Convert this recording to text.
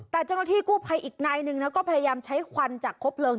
แต่เจ้าหน้าที่กู้ภัยอีกนายหนึ่งก็พยายามใช้ควันจากครบเลิง